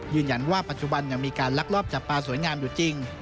ยืนยันว่าปัจจุบันยังมีการลักลอบจับปลาสวยงามอยู่จริง